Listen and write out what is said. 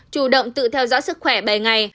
chủ động tự theo dõi sức khỏe bảy ngày